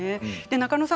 中野さん